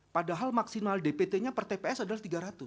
padahal maksimal dpt nya per tps adalah tiga ratus